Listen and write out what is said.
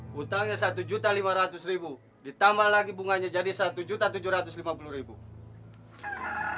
hutangnya satu lima ratus ditambah lagi bunganya jadi rp satu tujuh ratus lima puluh